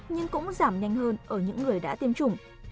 nhưng cũng giảm nhanh hơn ở những người đã tiêm chủng